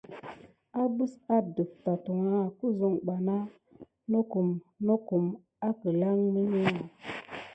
Əɓes adəf tatwaha qn kiso va bana tumpay nok akukume milimuya.